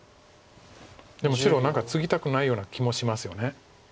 でも白何かツギたくないような気もしますよね。